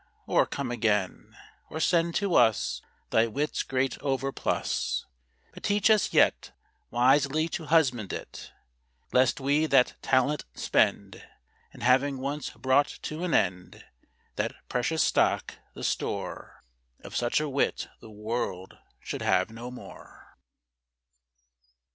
Or come again, Or send to us Thy wit's great overplus; But teach us yet Wisely to husband it, Lest we that talent spend; And having once brought to an end That precious stock, the store Of such a wit the world should have no more.